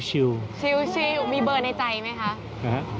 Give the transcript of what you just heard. ชิลมีเบอร์ในใจไหมคะ